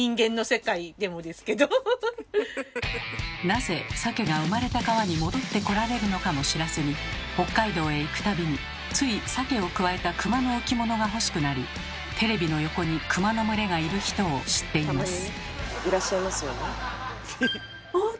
なぜサケが生まれた川に戻ってこられるのかも知らずに北海道へ行く度についサケをくわえた熊の置物が欲しくなりテレビの横に熊の群れがいる人を知っています。